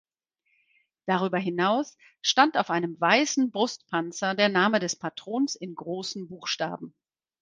Darüber hinaus stand auf einem weißen Brustpanzer der Name des Patrons in großen Buchstaben.